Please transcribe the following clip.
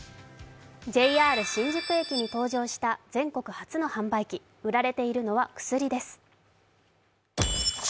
ＪＲ新宿駅に登場した全国初の販売機、売られているのは薬です。